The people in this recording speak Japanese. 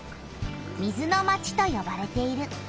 水の町とよばれている。